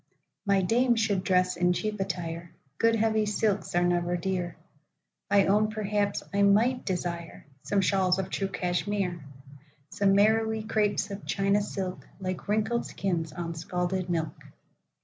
My dame should dress in cheap attire(Good, heavy silks are never dear);—I own perhaps I might desireSome shawls of true Cashmere,—Some marrowy crapes of China silk, Like wrinkled skins on scalded milk.